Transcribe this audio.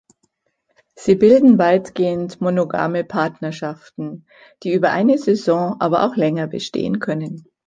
Sie bilden weitgehend monogame Partnerschaften, die über eine Saison, aber auch länger bestehen können.